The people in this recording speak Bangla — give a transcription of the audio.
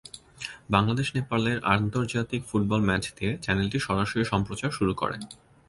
বাংলাদেশ-নেপালের আন্তর্জাতিক ফুটবল ম্যাচ দিয়ে চ্যানেলটি সরাসরি সম্প্রচার শুরু করে।